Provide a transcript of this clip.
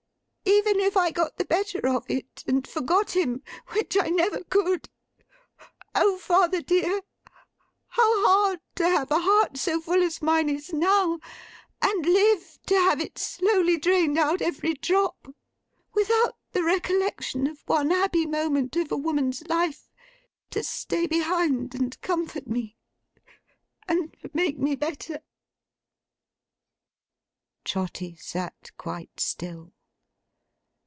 Even if I got the better of it, and forgot him (which I never could), oh father dear, how hard to have a heart so full as mine is now, and live to have it slowly drained out every drop, without the recollection of one happy moment of a woman's life, to stay behind and comfort me, and make me better!' Trotty sat quite still.